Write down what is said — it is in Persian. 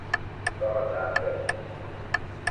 چهار چرخه